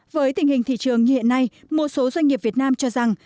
với tình hình thị trường như hiện nay một số doanh nghiệp việt nam cho rằng